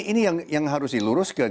ini yang harus diluruskan